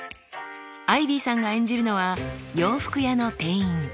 アイビーさんが演じるのは洋服屋の店員。